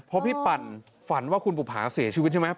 เพราะพี่ปั่นฝันว่าคุณบุภาเสียชีวิตใช่ไหม